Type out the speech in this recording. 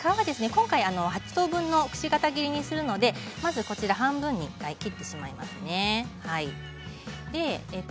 ８等分のくし形切りにするので半分に切ってしまいますね。